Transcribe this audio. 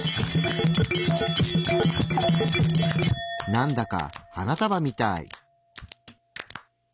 なんだか花束みたい。